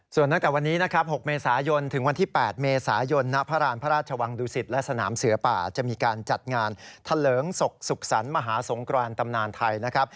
ส่วนตั้งแต่วันนี้นะครับ๖เมษายนถึงวันที่๘เมษายนณพระราณพระราชวังดุสิตและสนามเสือป่าจะมีการจัดงานทะเลิงศกสุขสรรค์มหาสงครานตำนานไทยนะครับ